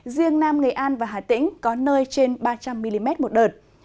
riêng nam nghệ an và hà tĩnh có nơi trên ba trăm linh mm một đợt